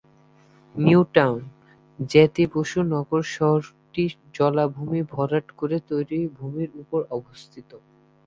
New Town, Jyoti Basu Nagar শহরটি জলাভূমি ভরাট করে তৈরি ভূমির উপরে অবস্থিত।